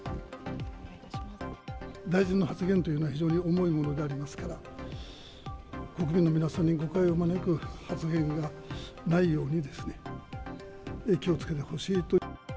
大臣の発言というのは、非常に重いものでありますから、国民の皆さんに誤解を招く発言がないようにですね、気をつけてほしいと。